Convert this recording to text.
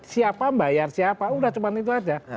siapa bayar siapa udah cuma itu aja